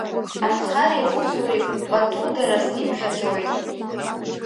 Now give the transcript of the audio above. Анхареи аусуреи патударас иԥхьаӡоит.